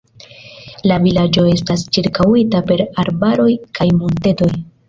La vilaĝo estas ĉirkaŭita per arbaroj kaj montetoj.